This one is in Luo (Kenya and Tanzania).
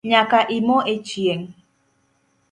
Nyaka imo echieng